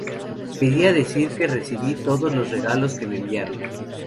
Quería decir que recibí todos los regalos que me enviaron.